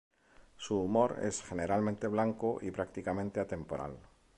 Su humor es generalmente blanco y prácticamente atemporal.